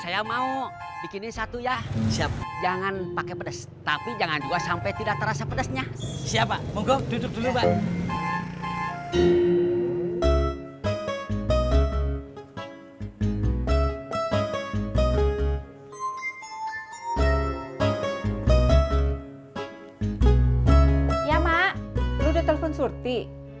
ya mak lu udah telpon surti